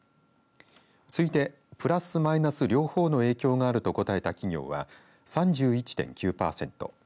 次いでプラス・マイナス両方の影響があると答えた企業は３１．９パーセント。